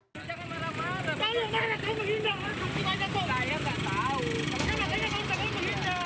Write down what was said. jangan marah marah kalau marah jangan menghindar langsung langsung aja dong